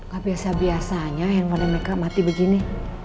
gak biasa biasanya teleponnya mereka mati begini